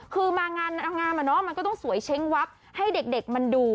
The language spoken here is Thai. คือมางานอะเนาะมันก็ต้องสวยเช้งวับให้เด็กมันดู